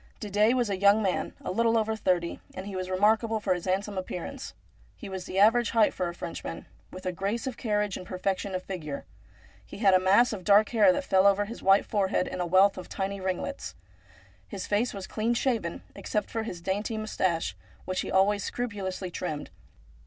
Didet was a young man, a little over thirty, and he was remarkable for his handsome appearance. He was the average height for a Frenchman, with a grace of carriage and perfection of figure. He had a mass of dark hair that fell over his white forehead in a wealth of tiny ringlets. His face was clean shaven, except for his dainty moustache, which was always scrupulously trimmed.